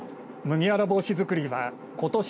麦わら帽子づくりはことし